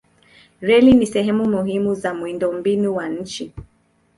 Reli ni sehemu muhimu za miundombinu wa nchi.